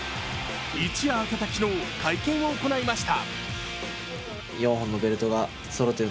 一夜明けた昨日、会見を行いました